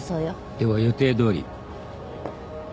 では予定どおり。